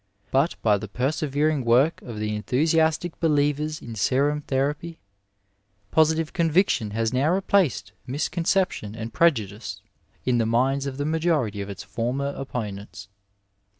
But by the persevering work of the enthusiastic believers in serum therapy, positive conviction has now replaced misconcep tion and prejudice in the minds of the majority of its former opponents.